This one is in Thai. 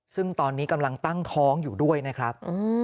ซึ่งตอนนี้กำลังตั้งท้องอยู่ด้วยนะครับ